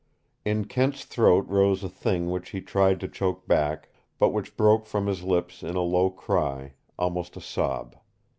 In Kent's throat rose a thing which he tried to choke back, but which broke from his lips in a low cry, almost a sob.